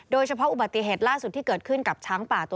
โดยเฉพาะอุบัติเหตุล่าสุดที่เกิดขึ้นกับช้างป่าตัว